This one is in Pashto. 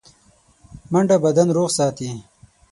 منډه بدن روغ ساتي